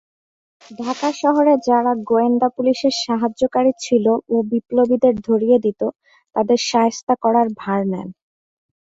ঢাকা শহরে যারা গোয়েন্দা পুলিশের সাহায্যকারী ছিল ও বিপ্লবীদের ধরিয়ে দিতো তাদের শায়েস্তা করার ভার নেন।